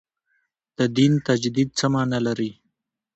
د دین تجدید څه معنا لري.